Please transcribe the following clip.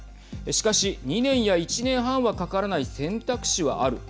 しかし２年や１年半はかからない選択肢はある。